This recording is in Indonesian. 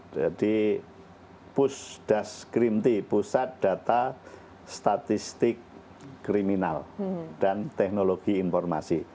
jadi pusat data statistik kriminal dan teknologi informasi